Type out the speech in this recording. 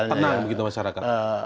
tenang begitu masyarakat